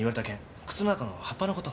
靴の中の葉っぱの事。